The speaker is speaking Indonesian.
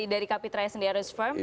dari kapitra sendiri harus firm